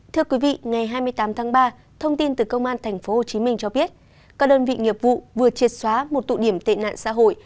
thưa quý vị ngày hai mươi tám tháng ba thông tin từ công an tp hcm cho biết các đơn vị nghiệp vụ vừa triệt xóa một tụ điểm tệ nạn xã hội